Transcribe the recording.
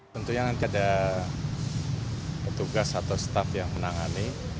tentunya nanti ada petugas atau staff yang menangani